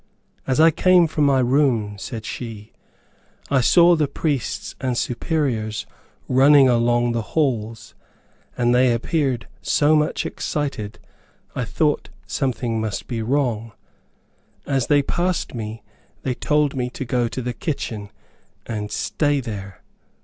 "As I came from my room," said she, "I saw the priests and Superiors running along the halls, and they appeared so much excited, I thought something must be wrong. As they passed me, they told me to go to the kitchen, and stay there.